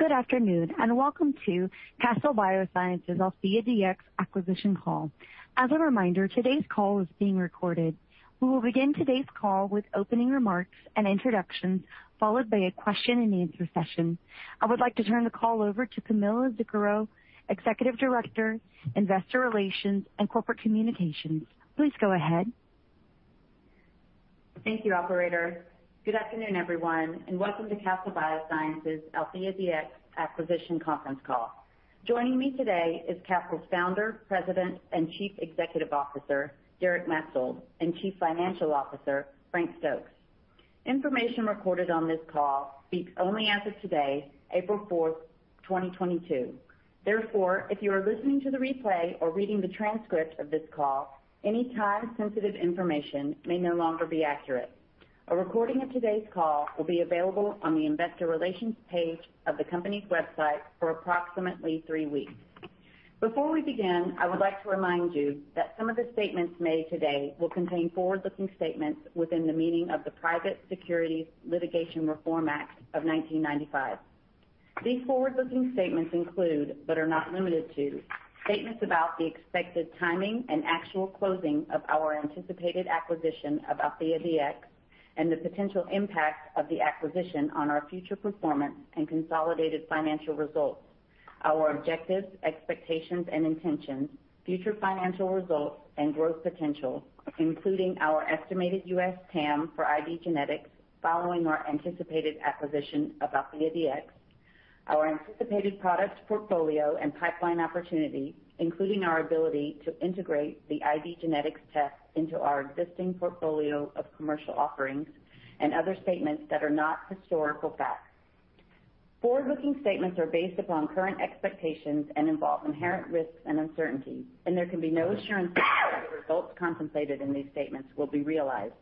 Good afternoon, and welcome to Castle Biosciences' AltheaDx acquisition call. As a reminder, today's call is being recorded. We will begin today's call with opening remarks and introductions, followed by a question-and-answer session. I would like to turn the call over to Camilla Zuckero, Vice President, Investor Relations and Corporate Affairs. Please go ahead. Thank you, operator. Good afternoon, everyone, and welcome to Castle Biosciences' AltheaDx acquisition conference call. Joining me today is Castle's Founder, President, and Chief Executive Officer, Derek Maetzold, and Chief Financial Officer, Frank Stokes. Information recorded on this call speaks only as of today, April 4, 2022. Therefore, if you are listening to the replay or reading the transcript of this call, any time-sensitive information may no longer be accurate. A recording of today's call will be available on the investor relations page of the company's website for approximately three weeks. Before we begin, I would like to remind you that some of the statements made today will contain forward-looking statements within the meaning of the Private Securities Litigation Reform Act of 1995. These forward-looking statements include, but are not limited to, statements about the expected timing and actual closing of our anticipated acquisition of AltheaDx and the potential impact of the acquisition on our future performance and consolidated financial results, our objectives, expectations, and intentions, future financial results and growth potential, including our estimated U.S. TAM for IDgenetix following our anticipated acquisition of AltheaDx, our anticipated product portfolio and pipeline opportunity, including our ability to integrate the IDgenetix test into our existing portfolio of commercial offerings and other statements that are not historical facts. Forward-looking statements are based upon current expectations and involve inherent risks and uncertainties, and there can be no assurance that the results contemplated in these statements will be realized.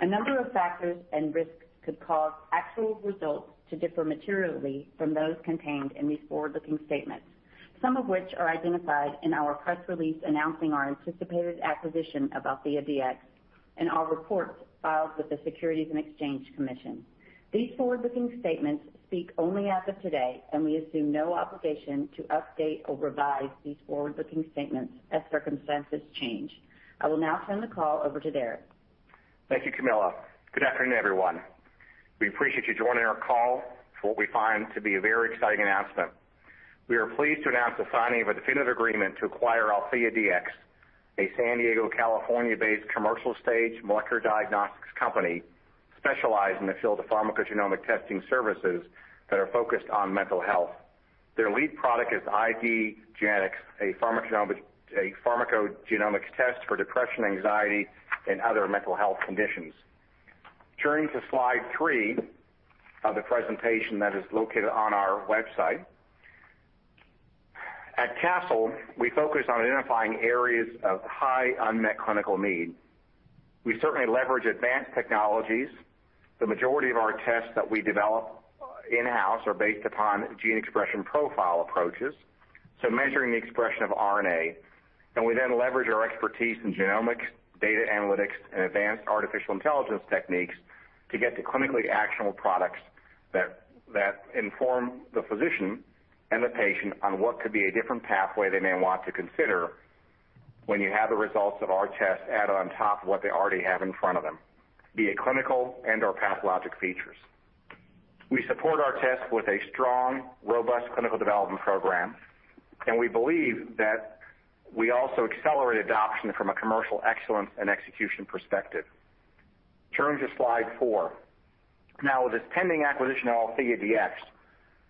A number of factors and risks could cause actual results to differ materially from those contained in these forward-looking statements, some of which are identified in our press release announcing our anticipated acquisition of AltheaDx and our reports filed with the Securities and Exchange Commission. These forward-looking statements speak only as of today, and we assume no obligation to update or revise these forward-looking statements as circumstances change. I will now turn the call over to Derek. Thank you, Camilla. Good afternoon, everyone. We appreciate you joining our call for what we find to be a very exciting announcement. We are pleased to announce the signing of a definitive agreement to acquire AltheaDx, a San Diego, California-based commercial stage molecular diagnostics company specialized in the field of pharmacogenomic testing services that are focused on mental health. Their lead product is IDgenetix, a pharmacogenomics test for depression, anxiety, and other mental health conditions. Turning to slide three of the presentation that is located on our website. At Castle, we focus on identifying areas of high unmet clinical need. We certainly leverage advanced technologies. The majority of our tests that we develop in-house are based upon gene expression profile approaches, so measuring the expression of RNA. We then leverage our expertise in genomics, data analytics, and advanced artificial intelligence techniques to get to clinically actionable products that inform the physician and the patient on what could be a different pathway they may want to consider when you have the results of our tests added on top of what they already have in front of them, be it clinical and/or pathologic features. We support our tests with a strong, robust clinical development program, and we believe that we also accelerate adoption from a commercial excellence and execution perspective. Turning to slide four. Now, with this pending acquisition of AltheaDx,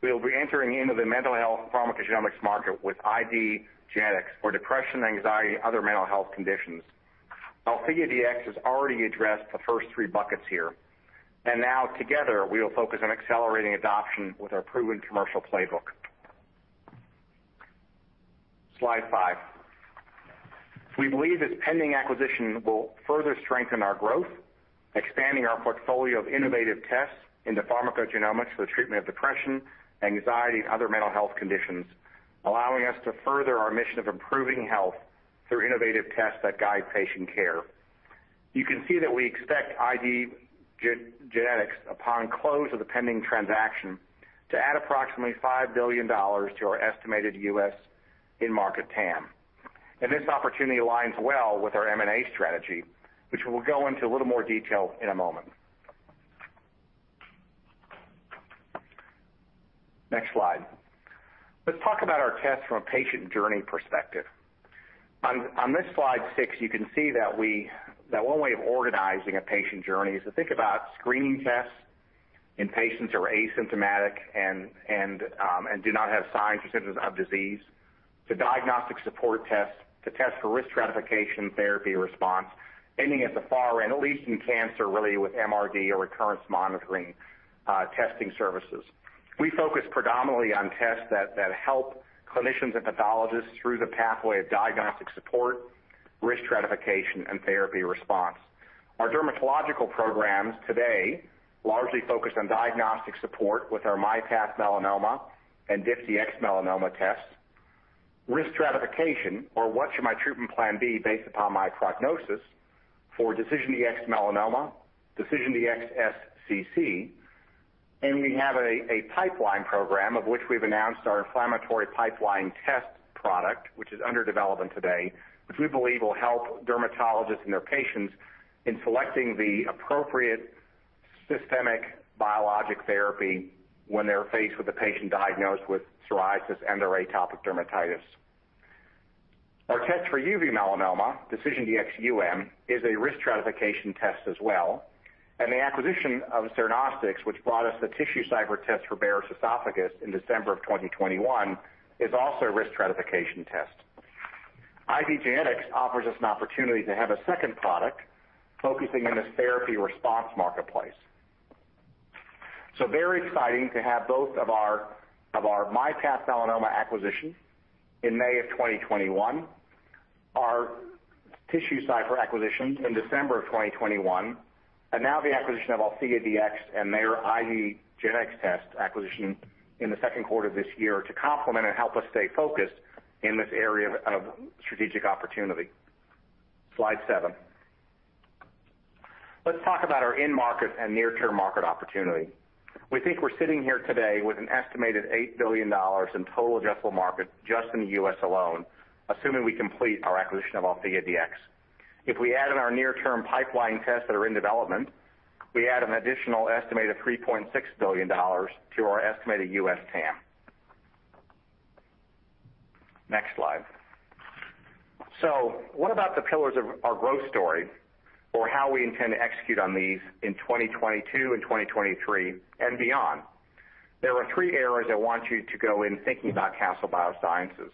we'll be entering into the mental health pharmacogenomics market with IDgenetix for depression, anxiety, and other mental health conditions. AltheaDx has already addressed the first three buckets here, and now together, we will focus on accelerating adoption with our proven commercial playbook. Slide five. We believe this pending acquisition will further strengthen our growth, expanding our portfolio of innovative tests into pharmacogenomics for the treatment of depression, anxiety, and other mental health conditions, allowing us to further our mission of improving health through innovative tests that guide patient care. You can see that we expect IDgenetix, upon close of the pending transaction, to add approximately $5 billion to our estimated U.S. in-market TAM. This opportunity aligns well with our M&A strategy, which we'll go into a little more detail in a moment. Next slide. Let's talk about our tests from a patient journey perspective. On this slide six, you can see that one way of organizing a patient journey is to think about screening tests in patients who are asymptomatic and do not have signs or symptoms of disease, to diagnostic support tests, to test for risk stratification, therapy response, ending at the far end, at least in cancer, really with MRD or recurrence monitoring, testing services. We focus predominantly on tests that help clinicians and pathologists through the pathway of diagnostic support, risk stratification, and therapy response. Our dermatological programs today largely focus on diagnostic support with our MyPath Melanoma and DecisionDx-Melanoma tests. Risk stratification or what should my treatment plan be based upon my prognosis for DecisionDx-Melanoma, DecisionDx-SCC, and we have a pipeline program of which we've announced our inflammatory pipeline test product, which is under development today, which we believe will help dermatologists and their patients in selecting the appropriate systemic biologic therapy when they're faced with a patient diagnosed with psoriasis and/or atopic dermatitis. Our test for uveal melanoma, DecisionDx-UM, is a risk stratification test as well. The acquisition of Cernostics, which brought us the TissueCypher test for Barrett's esophagus in December 2021, is also a risk stratification test. IDgenetix offers us an opportunity to have a second product focusing in this therapy response marketplace. Very exciting to have both of our MyPath Melanoma acquisition in May 2021, our TissueCypher acquisition in December 2021, and now the acquisition of AltheaDx and their IDgenetix test acquisition in the second quarter of this year to complement and help us stay focused in this area of strategic opportunity. Slide seven. Let's talk about our end-market and near-term market opportunity. We think we're sitting here today with an estimated $8 billion in total addressable market just in the U.S. alone, assuming we complete our acquisition of AltheaDx. If we add in our near-term pipeline tests that are in development, we add an additional estimated $3.6 billion to our estimated U.S. TAM. Next slide. What about the pillars of our growth story or how we intend to execute on these in 2022 and 2023 and beyond? There are three areas I want you to go in thinking about Castle Biosciences.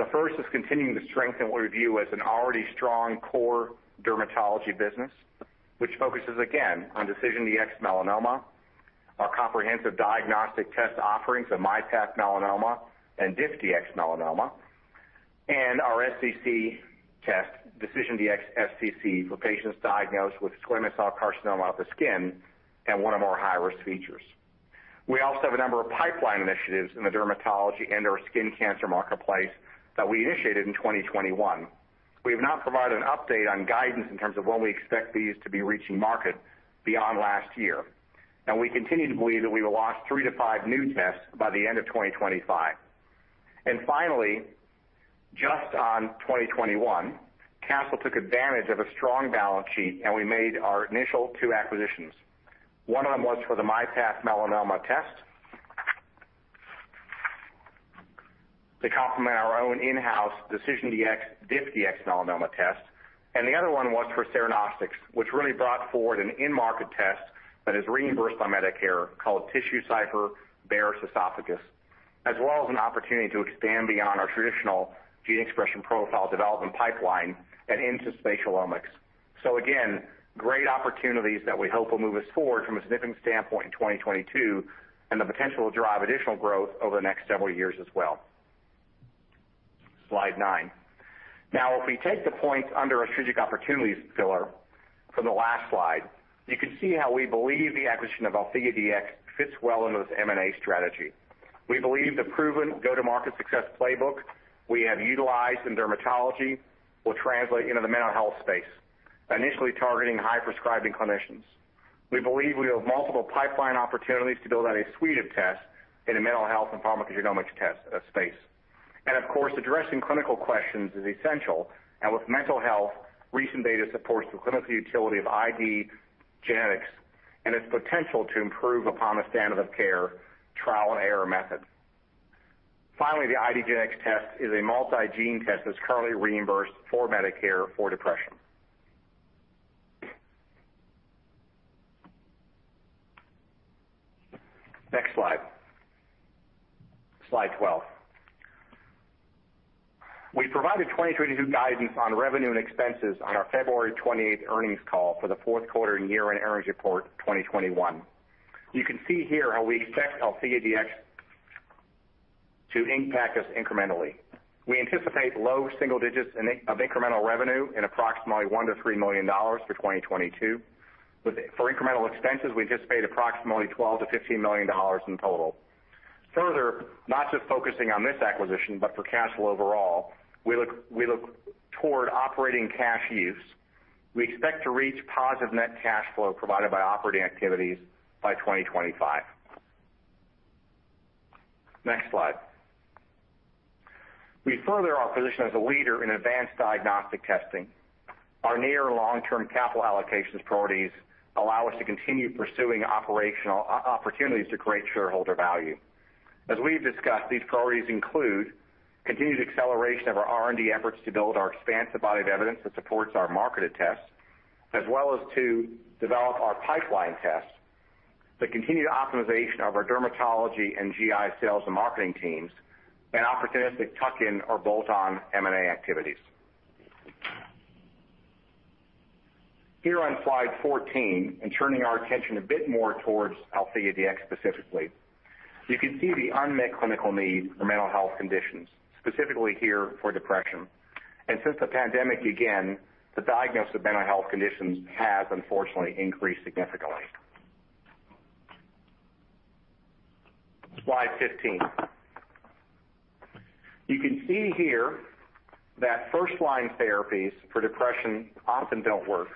The first is continuing to strengthen what we view as an already strong core dermatology business, which focuses again on DecisionDx-Melanoma, our comprehensive diagnostic test offerings of MyPath Melanoma and DiffDx-Melanoma, and our SCC test, DecisionDx-SCC, for patients diagnosed with squamous cell carcinoma of the skin and one or more high-risk features. We also have a number of pipeline initiatives in the dermatology and/or skin cancer marketplace that we initiated in 2021. We have not provided an update on guidance in terms of when we expect these to be reaching market beyond last year. We continue to believe that we will launch three to five new tests by the end of 2025. Finally, just on 2021, Castle took advantage of a strong balance sheet, and we made our initial two acquisitions. One of them was for the MyPath Melanoma test to complement our own in-house DecisionDx-Melanoma test. The other one was for Cernostics, which really brought forward an end market test that is reimbursed by Medicare called TissueCypher Barrett's esophagus, as well as an opportunity to expand beyond our traditional gene expression profile development pipeline and into spatial omics. Again, great opportunities that we hope will move us forward from a significant standpoint in 2022 and the potential to drive additional growth over the next several years as well. Slide nine. Now, if we take the points under our strategic opportunities pillar from the last slide, you can see how we believe the acquisition of AltheaDx fits well into this M&A strategy. We believe the proven go-to-market success playbook we have utilized in dermatology will translate into the mental health space, initially targeting high-prescribing clinicians. We believe we have multiple pipeline opportunities to build out a suite of tests in a mental health and pharmacogenomics test, space. Of course, addressing clinical questions is essential. With mental health, recent data supports the clinical utility of IDgenetix and its potential to improve upon the standard of care, trial and error method. Finally, the IDgenetix test is a multi-gene test that's currently reimbursed for Medicare for depression. Next slide. Slide 12. We provided 2022 guidance on revenue and expenses on our February 28 earnings call for the fourth quarter and year-end earnings report 2021. You can see here how we expect AltheaDx to impact us incrementally. We anticipate low single digits of incremental revenue in approximately $1 million-$3 million for 2022. For incremental expenses, we anticipate approximately $12 million-$15 million in total. Further, not just focusing on this acquisition, but for Castle overall, we look toward operating cash use. We expect to reach positive net cash flow provided by operating activities by 2025. Next slide. We further our position as a leader in advanced diagnostic testing. Our near and long-term capital allocation priorities allow us to continue pursuing operational opportunities to create shareholder value. As we've discussed, these priorities include continued acceleration of our R&D efforts to build our expansive body of evidence that supports our marketed tests, as well as to develop our pipeline tests, the continued optimization of our dermatology and GI sales and marketing teams, and opportunistic tuck-in or bolt-on M&A activities. Here on slide 14 and turning our attention a bit more towards AltheaDx specifically, you can see the unmet clinical need for mental health conditions, specifically here for depression. Since the pandemic began, the diagnosis of mental health conditions has unfortunately increased significantly. Slide 15. You can see here that first-line therapies for depression often don't work.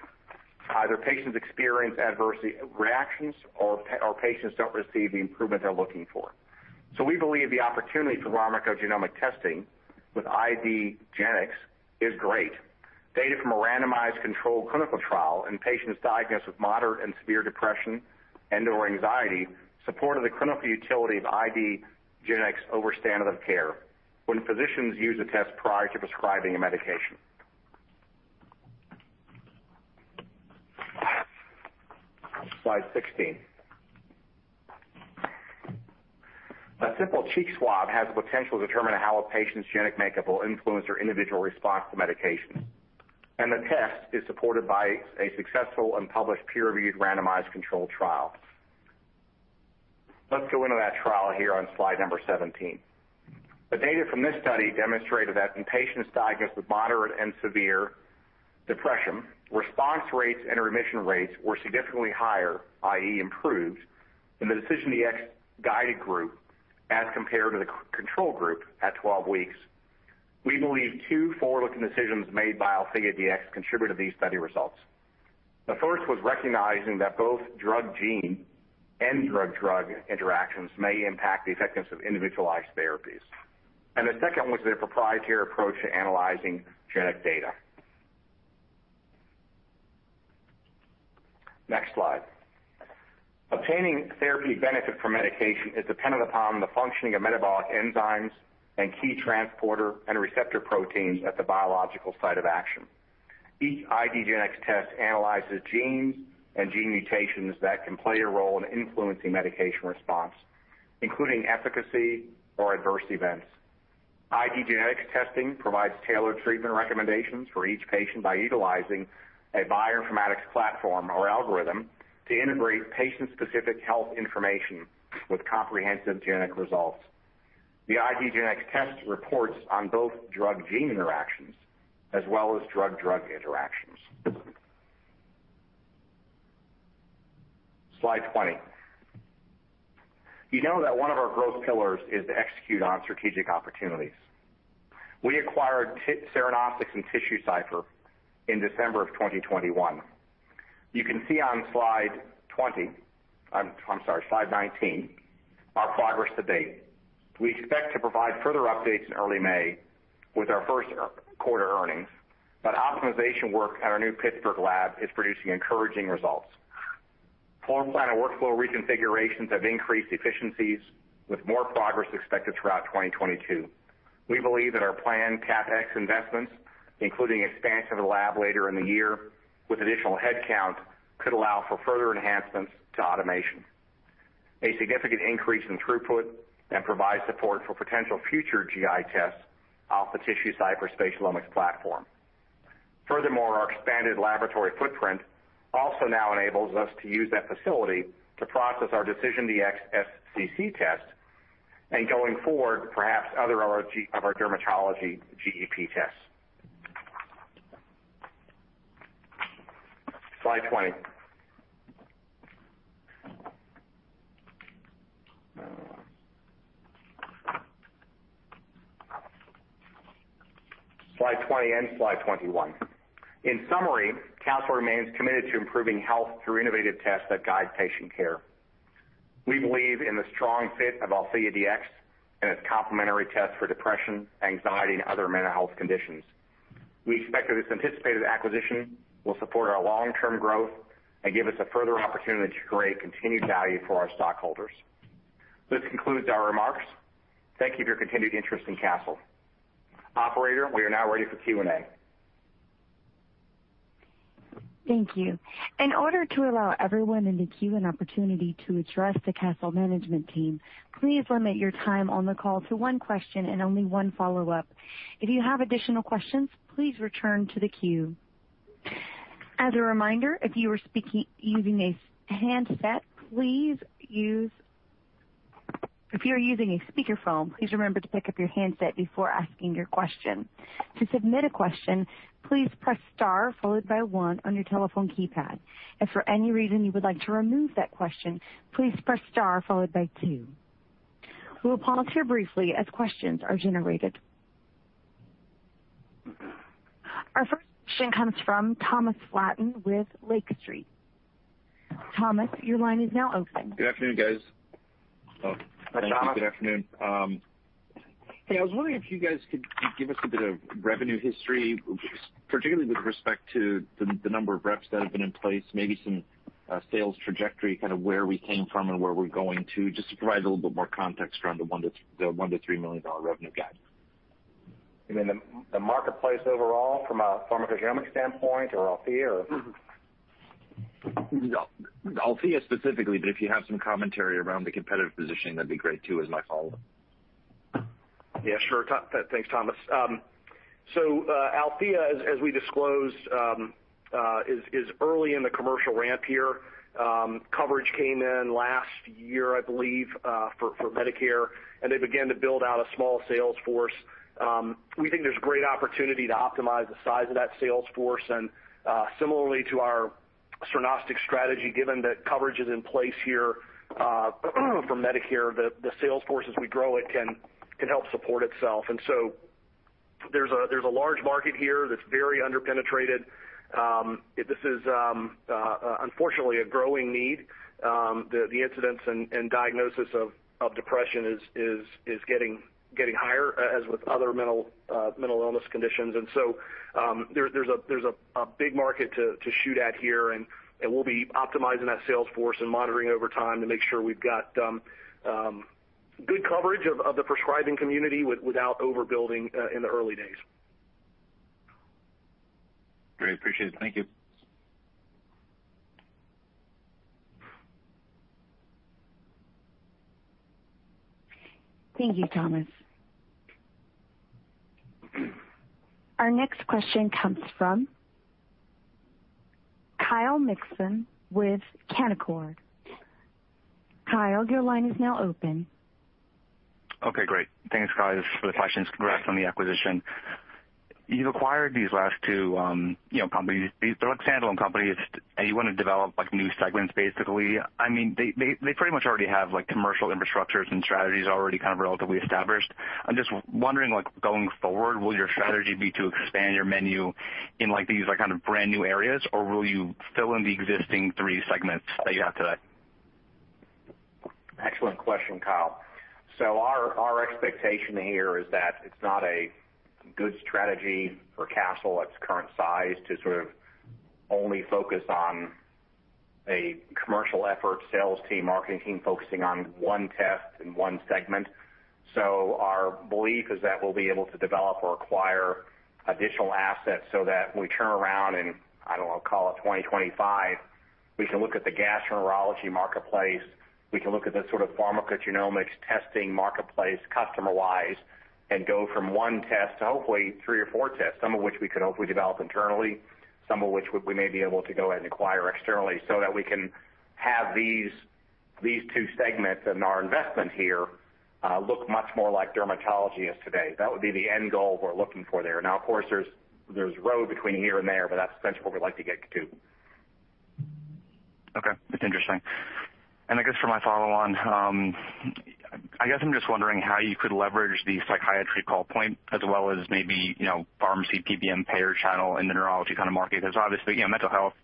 Either patients experience adverse reactions or patients don't receive the improvement they're looking for. We believe the opportunity for pharmacogenomic testing with IDgenetix is great. Data from a randomized controlled clinical trial in patients diagnosed with moderate and severe depression and/or anxiety supported the clinical utility of IDgenetix over standard of care when physicians use the test prior to prescribing a medication. Slide 16. A simple cheek swab has the potential to determine how a patient's genetic makeup will influence their individual response to medication. The test is supported by a successful and published peer-reviewed randomized controlled trial. Let's go into that trial here on slide number 17. The data from this study demonstrated that in patients diagnosed with moderate and severe depression, response rates and remission rates were significantly higher, i.e., improved, in the IDgenetix guided group as compared to the control group at 12 weeks. We believe two forward-looking decisions made by AltheaDx contributed to these study results. The first was recognizing that both drug-gene and drug-drug interactions may impact the effectiveness of individualized therapies. The second was their proprietary approach to analyzing genetic data. Next slide. Obtaining therapy benefit for medication is dependent upon the functioning of metabolic enzymes and key transporter and receptor proteins at the biological site of action. Each IDgenetix test analyzes genes and gene mutations that can play a role in influencing medication response, including efficacy or adverse events. IDgenetix testing provides tailored treatment recommendations for each patient by utilizing a bioinformatics platform or algorithm to integrate patient-specific health information with comprehensive genetic results. The IDgenetix test reports on both drug-gene interactions as well as drug-drug interactions. Slide 20. You know that one of our growth pillars is to execute on strategic opportunities. We acquired Cernostics and TissueCypher in December 2021. You can see on slide 20. I'm sorry, slide 19, our progress to date. We expect to provide further updates in early May with our first quarter earnings, but optimization work at our new Pittsburgh lab is producing encouraging results. Floor plan and workflow reconfigurations have increased efficiencies, with more progress expected throughout 2022. We believe that our planned CapEx investments, including expansion of the lab later in the year with additional headcount, could allow for further enhancements to automation, a significant increase in throughput, and provide support for potential future GI tests off the TissueCypher spatial omics platform. Furthermore, our expanded laboratory footprint also now enables us to use that facility to process our DecisionDx-SCC test and going forward, perhaps other of our dermatology GEP tests. Slide 20. Slide 20 and slide 21. In summary, Castle remains committed to improving health through innovative tests that guide patient care. We believe in the strong fit of AltheaDx and its complementary tests for depression, anxiety, and other mental health conditions. We expect that this anticipated acquisition will support our long-term growth and give us a further opportunity to create continued value for our stockholders. This concludes our remarks. Thank you for your continued interest in Castle. Operator, we are now ready for Q&A. Thank you. In order to allow everyone in the queue an opportunity to address the Castle management team, please limit your time on the call to one question and only one follow-up. If you have additional questions, please return to the queue. As a reminder, if you are speaking using a handset. If you are using a speakerphone, please remember to pick up your handset before asking your question. To submit a question, please press star followed by one on your telephone keypad. If for any reason you would like to remove that question, please press star followed by two. We will pause here briefly as questions are generated. Our first question comes from Thomas Flaten with Lake Street. Thomas, your line is now open. Good afternoon, guys. Hi, Tom. Good afternoon. Hey, I was wondering if you guys could give us a bit of revenue history, particularly with respect to the number of reps that have been in place, maybe some sales trajectory, kind of where we came from and where we're going to, just to provide a little bit more context around the $1 million-$3 million revenue guide. You mean the marketplace overall from a pharmacogenomic standpoint, or Althea, or? Althea specifically, but if you have some commentary around the competitive positioning, that'd be great too as my follow-up. Yeah, sure. Thanks, Thomas. Althea, as we disclosed, is early in the commercial ramp here. Coverage came in last year, I believe, for Medicare, and they began to build out a small sales force. We think there's great opportunity to optimize the size of that sales force. Similarly to our Cernostics strategy, given that coverage is in place here, for Medicare, the sales force as we grow it can help support itself. There's a large market here that's very under-penetrated. This is, unfortunately, a growing need. The incidence and diagnosis of depression is getting higher, as with other mental illness conditions. There's a big market to shoot at here, and we'll be optimizing that sales force and monitoring over time to make sure we've got good coverage of the prescribing community without overbuilding in the early days. Great. Appreciate it. Thank you. Thank you, Thomas. Our next question comes from Kyle Mikson with Canaccord. Kyle, your line is now open. Okay, great. Thanks, guys, for the questions. Congrats on the acquisition. You've acquired these last two, you know, companies. These, they're like standalone companies, and you wanna develop, like, new segments, basically. I mean, they pretty much already have, like, commercial infrastructures and strategies already kind of relatively established. I'm just wondering, like, going forward, will your strategy be to expand your menu in, like, these, like, kind of brand-new areas, or will you fill in the existing three segments that you have today? Excellent question, Kyle. Our expectation here is that it's not a good strategy for Castle at its current size to sort of only focus on a commercial effort, sales team, marketing team focusing on one test and one segment. Our belief is that we'll be able to develop or acquire additional assets so that when we turn around in, I don't know, call it 2025, we can look at the gastroenterology marketplace, we can look at the sort of pharmacogenomics testing marketplace customer-wise and go from one test to hopefully three or four tests, some of which we can hopefully develop internally, some of which we may be able to go ahead and acquire externally so that we can have these two segments in our investment here look much more like dermatology is today. That would be the end goal we're looking for there. Now, of course, there's a road between here and there, but that's essentially what we'd like to get to. Okay. That's interesting. I guess for my follow-on, I guess I'm just wondering how you could leverage the psychiatry call point as well as maybe, you know, pharmacy PBM payer channel in the neurology kind of market, 'cause obviously, you know, mental health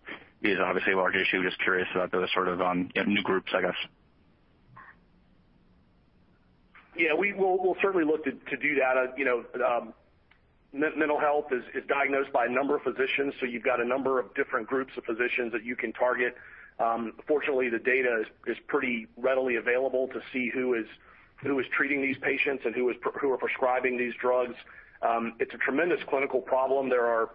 is obviously a large issue. Just curious about those sort of, you know, new groups, I guess. Yeah, we'll certainly look to do that. You know, mental health is diagnosed by a number of physicians, so you've got a number of different groups of physicians that you can target. Fortunately, the data is pretty readily available to see who is treating these patients and who are prescribing these drugs. It's a tremendous clinical problem. There are,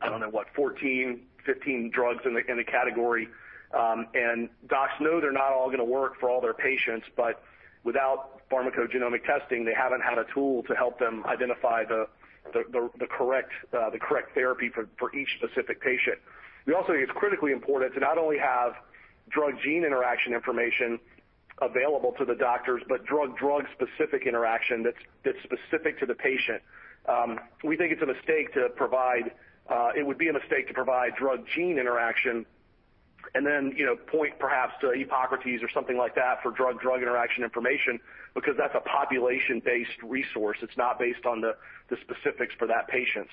I don't know what, 14, 15 drugs in the category. Docs know they're not all gonna work for all their patients, but without pharmacogenomic testing, they haven't had a tool to help them identify the correct therapy for each specific patient. We also think it's critically important to not only have drug-gene interaction information available to the doctors, but drug-drug specific interaction that's specific to the patient. We think it's a mistake to provide drug-gene interaction and then, you know, point perhaps to Epocrates or something like that for drug-drug interaction information because that's a population-based resource. It's not based on the specifics for that patient.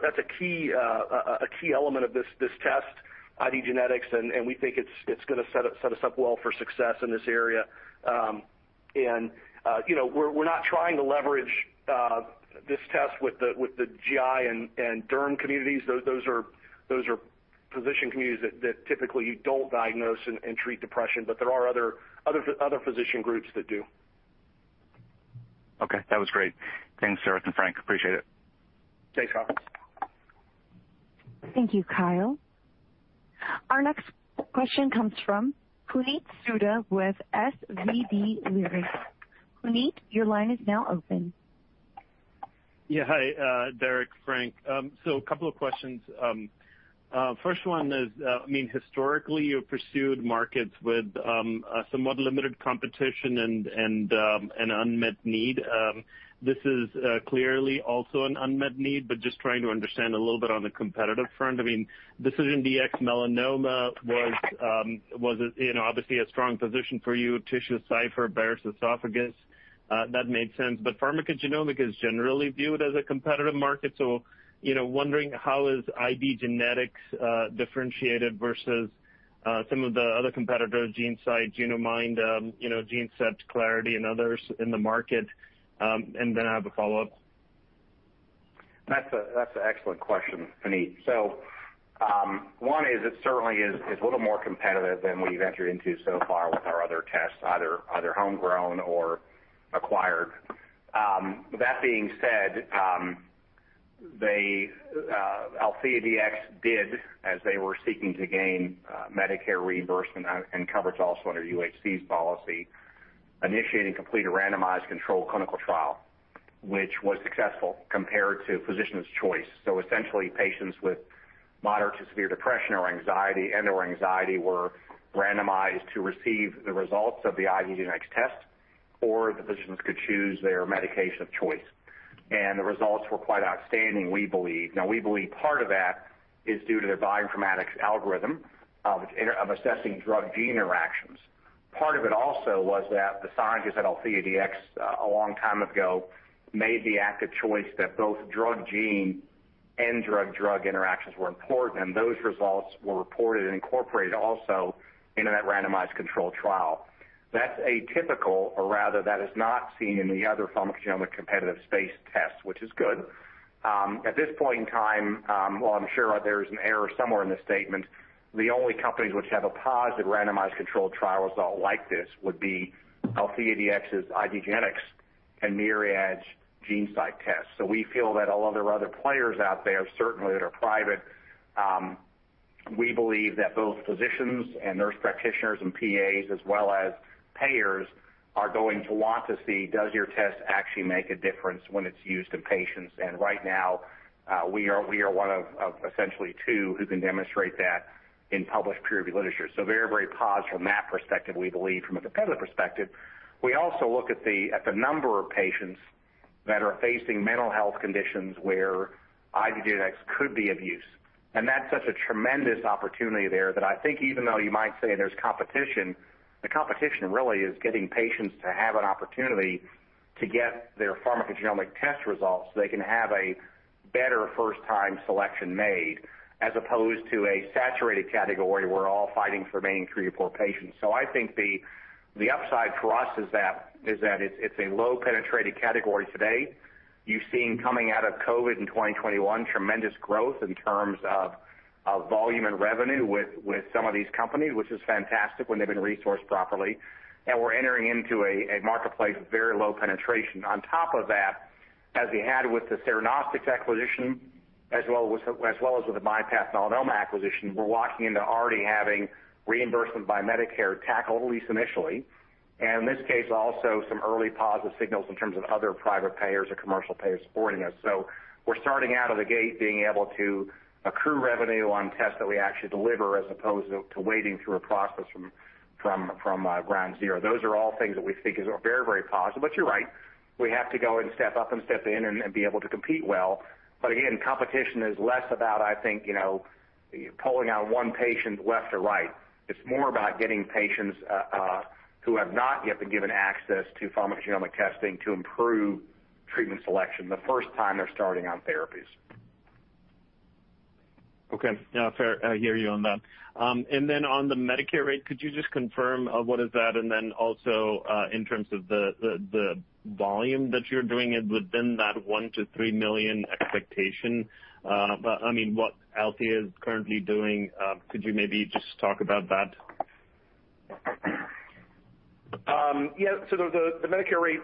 That's a key element of this test, IDgenetix, and we think it's gonna set us up well for success in this area. You know, we're not trying to leverage this test with the GI and derm communities. Those are physician communities that typically don't diagnose and treat depression, but there are other physician groups that do. Okay. That was great. Thanks, Derek and Frank. Appreciate it. Thanks, Kyle. Thank you, Kyle. Our next question comes from Puneet Souda with SVB Leerink. Puneet, your line is now open. Hi, Derek, Frank. A couple of questions. First one is, I mean, historically, you've pursued markets with somewhat limited competition and an unmet need. This is clearly also an unmet need, but just trying to understand a little bit on the competitive front. I mean, IDgenetix melanoma was you know, obviously a strong position for you. TissueCypher, Barrett's esophagus, that made sense. Pharmacogenomics is generally viewed as a competitive market, so you know, wondering how is IDgenetix differentiated versus some of the other competitors, GeneSight, Genomind, you know, GeneSight, Claritas, and others in the market. Then I have a follow-up. That's an excellent question, Puneet. So, one is it certainly is a little more competitive than we've entered into so far with our other tests, either homegrown or acquired. That being said, AltheaDx did, as they were seeking to gain, Medicare reimbursement and coverage also under UHC's policy, initiating complete a randomized controlled clinical trial, which was successful compared to physician's choice. So essentially, patients with moderate to severe depression or anxiety and/or anxiety were randomized to receive the results of the IDgenetix test, or the physicians could choose their medication of choice. The results were quite outstanding, we believe. Now, we believe part of that is due to their bioinformatics algorithm of assessing drug-gene interactions. Part of it also was that the scientists at AltheaDx, a long time ago made the active choice that both drug-gene and drug-drug interactions were important, and those results were reported and incorporated also into that randomized controlled trial. That's atypical or rather that is not seen in the other pharmacogenomic competitive space tests, which is good. At this point in time, while I'm sure there's an error somewhere in this statement, the only companies which have a positive randomized controlled trial result like this would be AltheaDx's IDgenetix and Myriad's GeneSight tests. We feel that although there are other players out there certainly that are private, we believe that both physicians and nurse practitioners and PAs as well as payers are going to want to see does your test actually make a difference when it's used in patients. Right now, we are one of essentially two who can demonstrate that in published peer-reviewed literature. Very, very positive from that perspective, we believe from a competitive perspective. We also look at the number of patients that are facing mental health conditions where IDgenetix could be of use. That's such a tremendous opportunity there that I think even though you might say there's competition, the competition really is getting patients to have an opportunity to get their pharmacogenomic test results so they can have a better first-time selection made, as opposed to a saturated category where all fighting for remaining three or four patients. I think the upside for us is that it's a low penetrated category today. You've seen coming out of COVID in 2021 tremendous growth in terms of volume and revenue with some of these companies, which is fantastic when they've been resourced properly. We're entering into a marketplace with very low penetration. On top of that, as we had with the Cernostics acquisition as well as with the MyPath Myeloma acquisition, we're walking into already having reimbursement by Medicare tackled at least initially. In this case also some early positive signals in terms of other private payers or commercial payers supporting us. We're starting out of the gate being able to accrue revenue on tests that we actually deliver as opposed to waiting through a process from ground zero. Those are all things that we think are very, very positive. You're right, we have to go and step up and step in and be able to compete well. Again, competition is less about, I think, you know, pulling out one patient left or right. It's more about getting patients who have not yet been given access to pharmacogenomic testing to improve treatment selection the first time they're starting on therapies. Okay. Yeah, fair. I hear you on that. On the Medicare rate, could you just confirm what is that? In terms of the volume that you're doing it within that $1 million-$3 million expectation. I mean, what Althea is currently doing, could you maybe just talk about that? The Medicare rate,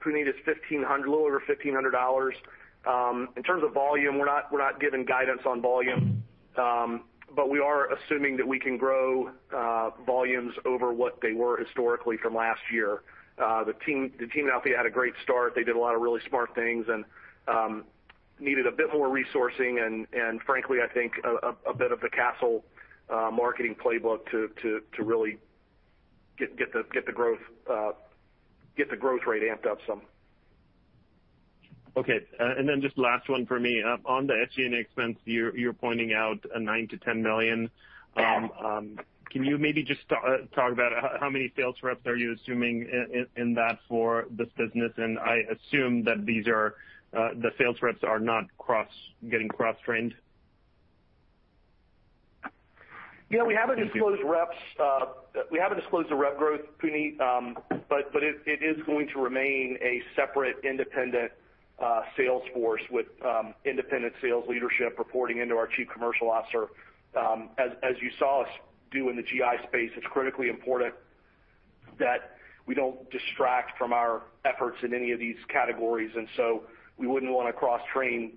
Puneet, is $1,500, a little over $1,500. In terms of volume, we're not giving guidance on volume. We are assuming that we can grow volumes over what they were historically from last year. The team at Althea had a great start. They did a lot of really smart things and needed a bit more resourcing and, frankly, I think a bit of the Castle marketing playbook to really get the growth rate amped up some. Okay. Just last one for me. On the SG&A expense, you're pointing out $9 million-$10 million. Can you maybe just talk about how many sales reps are you assuming in that for this business? I assume that these are the sales reps not cross-trained? Yeah, we haven't disclosed reps. We haven't disclosed the rep growth, Puneet. But it is going to remain a separate independent sales force with independent sales leadership reporting into our Chief Commercial Officer. As you saw us do in the GI space, it's critically important that we don't distract from our efforts in any of these categories, and so we wouldn't want to cross-train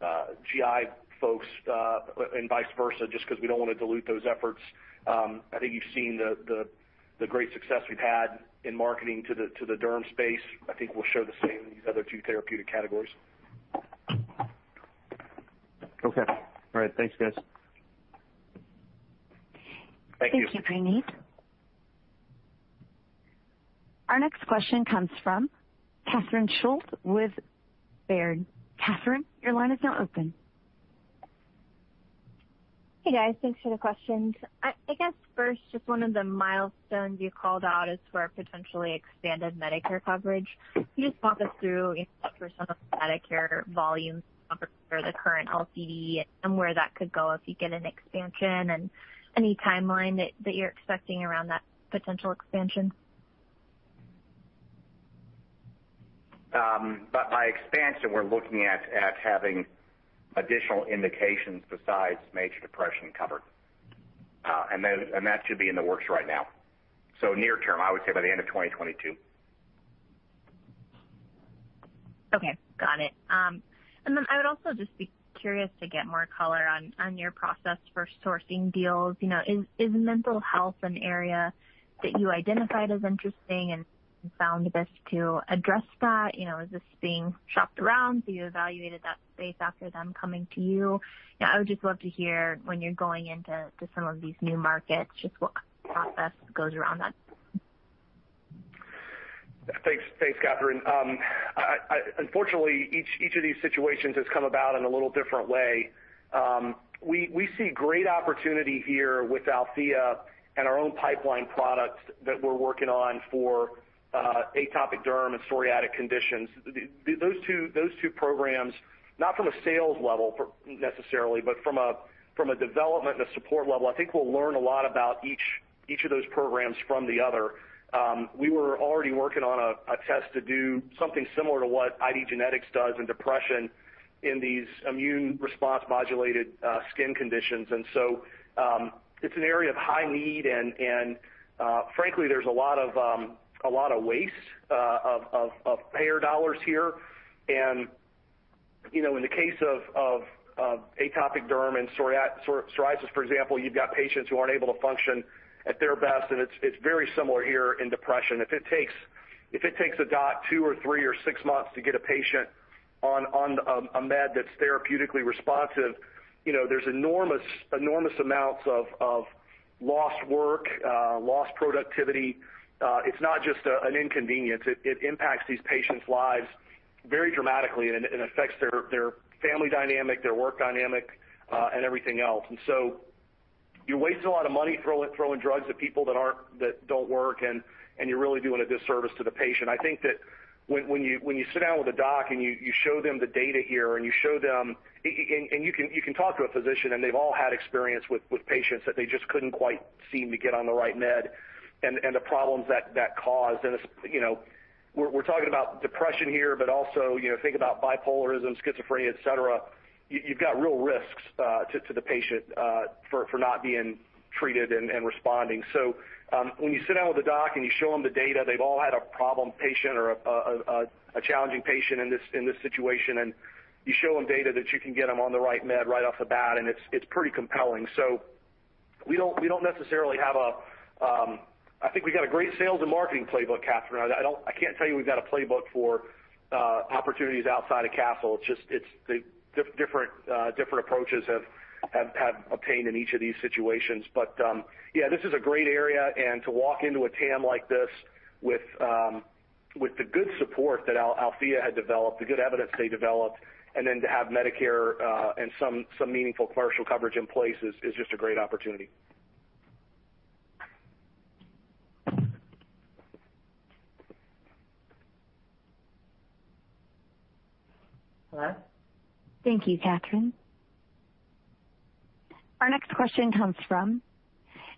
GI folks and vice versa just 'cause we don't wanna dilute those efforts. I think you've seen the great success we've had in marketing to the derm space. I think we'll show the same in these other two therapeutic categories. Okay. All right. Thanks, guys. Thank you. Thank you, Puneet. Our next question comes from Catherine Schulte with Baird. Catherine, your line is now open. Hey, guys. Thanks for the questions. I guess first, just one of the milestones you called out is for a potentially expanded Medicare coverage. Can you just walk us through, you know, for some of the Medicare volumes compared to the current LCD and where that could go if you get an expansion and any timeline that you're expecting around that potential expansion? By expansion, we're looking at having additional indications besides major depression covered. And that should be in the works right now. Near term, I would say by the end of 2022. Okay. Got it. I would also just be curious to get more color on your process for sourcing deals. You know, is mental health an area that you identified as interesting and found this to address that? You know, is this being shopped around? Have you evaluated that space after them coming to you? You know, I would just love to hear when you're going into some of these new markets, just what process goes around that. Thanks. Thanks, Catherine. Unfortunately, each of these situations has come about in a little different way. We see great opportunity here with Althea and our own pipeline products that we're working on for atopic derm and psoriatic conditions. Those two programs, not from a sales level necessarily, but from a development and a support level, I think we'll learn a lot about each of those programs from the other. We were already working on a test to do something similar to what IDgenetix does in depression in these immune response modulated skin conditions. It's an area of high need and frankly, there's a lot of waste of payer dollars here. You know, in the case of atopic derm and psoriasis, for example, you've got patients who aren't able to function at their best, and it's very similar here in depression. If it takes a doc two or three or six months to get a patient on a med that's therapeutically responsive, you know, there's enormous amounts of lost work, lost productivity. It's not just an inconvenience. It impacts these patients' lives very dramatically and affects their family dynamic, their work dynamic, and everything else. You waste a lot of money throwing drugs at people that don't work, and you're really doing a disservice to the patient. I think that when you sit down with a doc and you show them the data here, and you can talk to a physician, and they've all had experience with patients that they just couldn't quite seem to get on the right med and the problems that caused. It's, you know, we're talking about depression here, but also, you know, think about bipolar disorder, schizophrenia, et cetera. You've got real risks to the patient for not being treated and responding. When you sit down with a doc and you show them the data, they've all had a problem patient or a challenging patient in this situation. You show them data that you can get them on the right med right off the bat, and it's pretty compelling. We don't necessarily have. I think we got a great sales and marketing playbook, Catherine. I can't tell you we've got a playbook for opportunities outside of Castle. It's just the different approaches have obtained in each of these situations. Yeah, this is a great area. To walk into a TAM like this with the good support that Althea had developed, the good evidence they developed, and then to have Medicare and some meaningful commercial coverage in place is just a great opportunity. Thank you, Catherine. Our next question comes from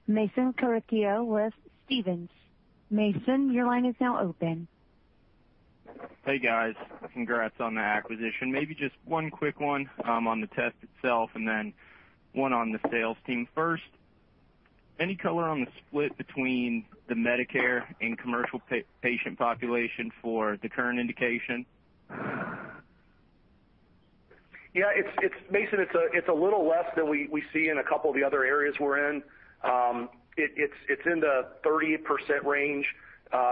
Mason Carrico with Stephens. Mason, your line is now open. Hey, guys. Congrats on the acquisition. Maybe just one quick one on the test itself and then one on the sales team. First, any color on the split between the Medicare and commercial patient population for the current indication? Yeah, it's Mason, it's a little less than we see in a couple of the other areas we're in. It's in the 30% range,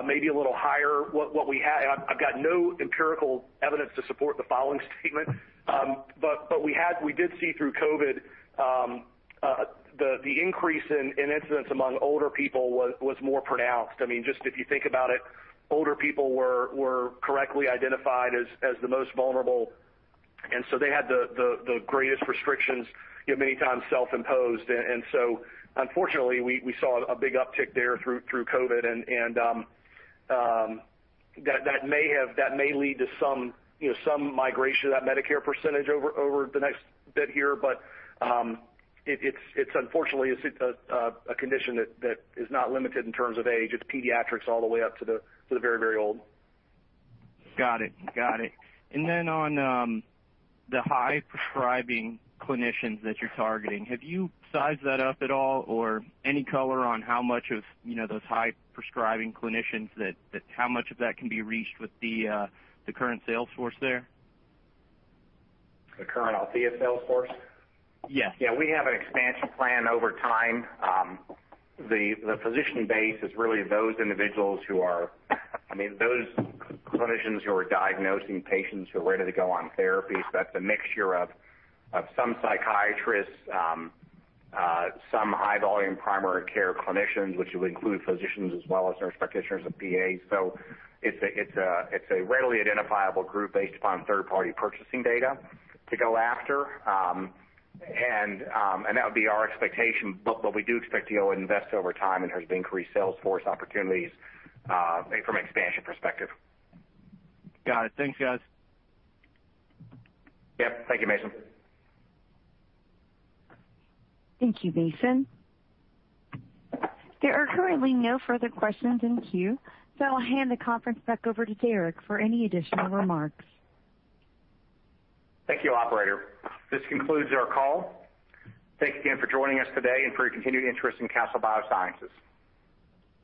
maybe a little higher. What we have, and I've got no empirical evidence to support the following statement. But we did see through COVID, the increase in incidence among older people was more pronounced. I mean, just if you think about it, older people were correctly identified as the most vulnerable, and so they had the greatest restrictions, you know, many times self-imposed. So unfortunately, we saw a big uptick there through COVID and, that may lead to some, you know, some migration of that Medicare percentage over the next bit here. Unfortunately, it's a condition that is not limited in terms of age. It's pediatrics all the way up to the very old. Got it. On the high-prescribing clinicians that you're targeting, have you sized that up at all or any color on how much of, you know, those high-prescribing clinicians that how much of that can be reached with the current sales force there? The current AltheaDx sales force? Yes. Yeah, we have an expansion plan over time. The physician base is really those clinicians who are diagnosing patients who are ready to go on therapy. That's a mixture of some psychiatrists, some high volume primary care clinicians, which would include physicians as well as nurse practitioners and PAs. It's a readily identifiable group based upon third-party purchasing data to go after. That would be our expectation. We do expect to go invest over time in terms of increased sales force opportunities, from an expansion perspective. Got it. Thanks, guys. Yep. Thank you, Mason. Thank you, Mason. There are currently no further questions in queue, so I'll hand the conference back over to Derek for any additional remarks. Thank you, operator. This concludes our call. Thanks again for joining us today and for your continued interest in Castle Biosciences.